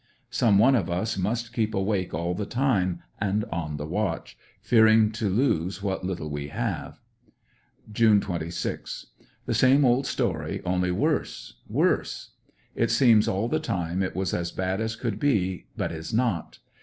Some one of us must keep awake all the time, and on the watch, fearing to loose what little we have. June 26. — The same old story, only worse, worse. It seems all the time it was as bad as could be, but is not.